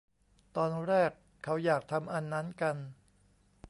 ตอนแรกเขาอยากทำอันนั้นกัน